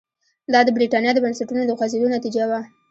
دا د برېټانیا د بنسټونو د خوځېدو نتیجه وه.